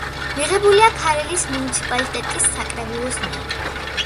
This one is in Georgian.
მიღებულია ქარელის მუნიციპალიტეტის საკრებულოს მიერ.